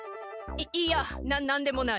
いやな何でもない。